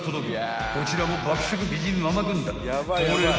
［こちらも爆食美人ママ軍団恒例の］